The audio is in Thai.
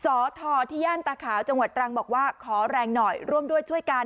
สทที่ย่านตาขาวจังหวัดตรังบอกว่าขอแรงหน่อยร่วมด้วยช่วยกัน